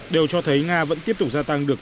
đều cho thấy nga vẫn tiếp tục gia tăng được